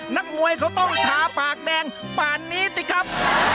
นักมวยเขาต้องชาปากแดงป่านนี้สิครับ